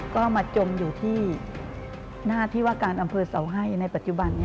ก็มาจมอยู่ที่หน้าที่ว่าการอำเภอเสาให้ในปัจจุบัน